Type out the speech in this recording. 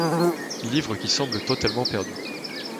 Livre qui semble totalement perdu.